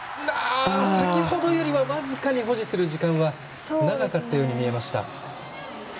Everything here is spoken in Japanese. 先ほどより、僅かに保持する時間は長かったように見えました。